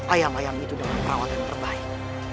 ayam ayam itu dengan perawatan terbaik